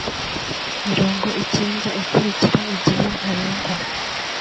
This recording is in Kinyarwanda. mirongo icyenda ikurikira igihe ntarengwa